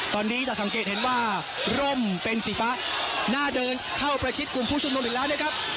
ตอนนี้จะสังเกตเห็นว่าร่มเป็นสีฟ้าน่าเดินเข้าประชิดกลุ่มผู้ชุมนุมอีกแล้วนะครับ